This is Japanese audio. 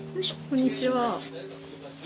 こんにちは。